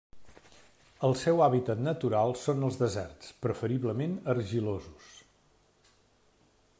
El seu hàbitat natural són els deserts, preferiblement argilosos.